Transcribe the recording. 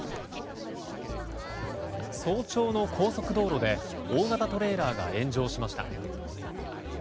早朝の高速道路で大型トレーラーが炎上しました。